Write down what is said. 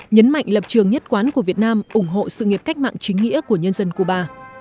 nhấn mạnh lập trường nhất quán của việt nam ủng hộ sự nghiệp cách mạng chính nghĩa của nhân dân cuba